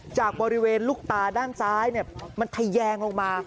จากบริเวณลูกตาด้านซ้ายมันทะแยงลงมา